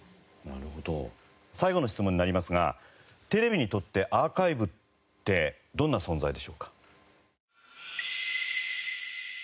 最後の質問になりますがテレビにとってアーカイブってどんな存在でしょうか？